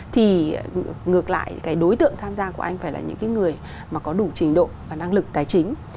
thì ngược lại cái đối tượng tham gia của anh phải là những cái người mà có đủ trình độ và năng lực tài chính